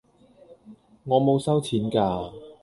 我冇收錢㗎